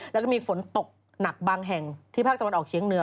แล้วก็มีฝนตกหนักบางแห่งที่ภาคตะวันออกเชียงเหนือ